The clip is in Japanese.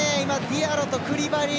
ディアロとクリバリ。